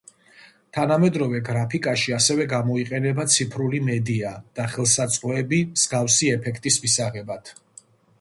თანამედროვე გრაფიკაში ასევე გამოიყენება ციფრული მედია და ხელსაწყოები მსგავსი ეფექტის მისაღებად.